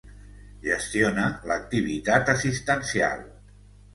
Gestiona l'activitat assistencial.